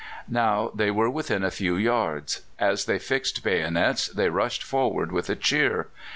Now they were within a few yards; as they fixed bayonets they rushed forward with a cheer.